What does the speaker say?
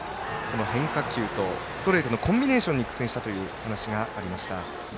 変化球とストレートのコンビネーションに苦戦したという話がありました。